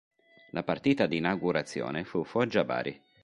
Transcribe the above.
La partita di inaugurazione fu Foggia-Bari.